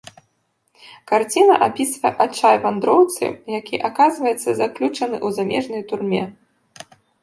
Карціна апісвае адчай вандроўцы, які аказваецца заключаны у замежнай турме.